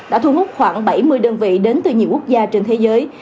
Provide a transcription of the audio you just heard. đã thu hút khoảng bảy mươi đơn vị đến từ nhiều quốc gia trên thế giới